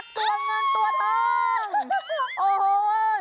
ซากตัวเงินตัวทอง